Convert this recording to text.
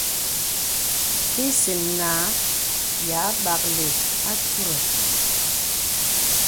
Kìsin nǎ yâ bāklì àturə.